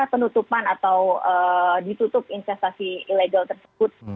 penutupan atau ditutup investasi ilegal tersebut